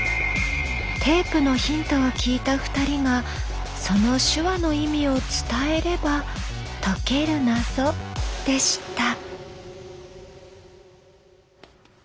テープのヒントを聞いた２人がその手話の意味を伝えれば解ける謎でした。